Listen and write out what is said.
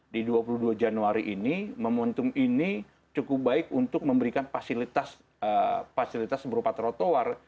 di dua puluh dua januari ini momentum ini cukup baik untuk memberikan fasilitas berupa trotoar